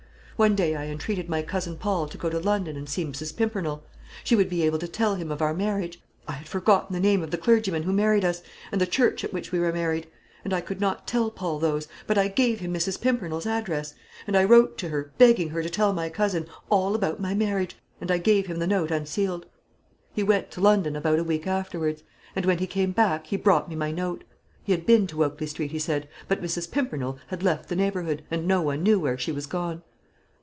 "One day I entreated my cousin Paul to go to London and see Mrs. Pimpernel. She would be able to tell him of our marriage. I had forgotten the name of the clergyman who married us, and the church at which we were married. And I could not tell Paul those; but I gave him Mrs. Pimpernel's address. And I wrote to her, begging her to tell my cousin, all about my marriage; and I gave him the note unsealed. "He went to London about a week afterwards; and when he came back, he brought me my note. He had been to Oakley Street, he said; but Mrs. Pimpernel had left the neighbourhood, and no one knew where she was gone."